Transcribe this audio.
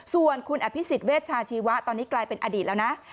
ส่วนคุณอภิษฎเวชาชีวะตอนนี้กลายเป็นอดีตแล้วนะ